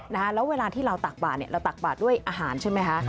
และเวลาที่เราตากบาลเราตากบาลด้วยอาหารใช่ไหม